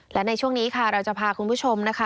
และในช่วงนี้ค่ะเราจะพาคุณผู้ชมนะคะ